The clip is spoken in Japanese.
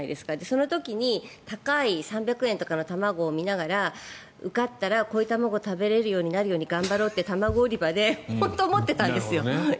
その時に高い３００円とかの卵を見ながら受かったら、こういう卵が食べられるように頑張ろうって卵売り場で本当に思ってたんです。